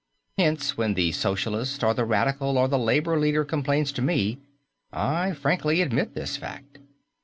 Hence, when the socialist or the radical or the labour leader complains to me, I frankly admit this fact.